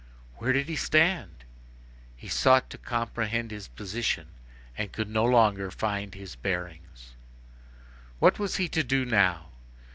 Where did he stand? He sought to comprehend his position, and could no longer find his bearings. What was he to do now?